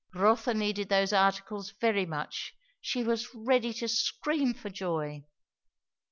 Rotha needed those articles very much; she was ready to scream for joy.